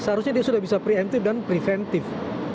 seharusnya dia sudah bisa preemptif dan preventif